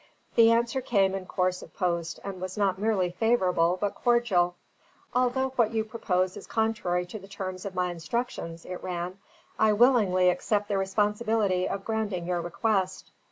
The answer came in course of post, and was not merely favourable but cordial. "Although what you propose is contrary to the terms of my instructions," it ran, "I willingly accept the responsibility of granting your request.